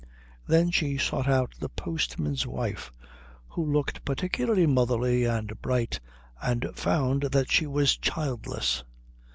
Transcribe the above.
Then she sought out the postman's wife, who looked particularly motherly and bright, and found that she was childless.